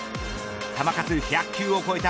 球数１００球を超えた